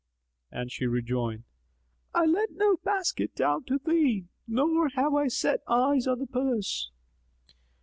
and she rejoined, "I let no basket down to thee, nor have I set eyes on the purse."